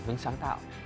về hướng sáng tạo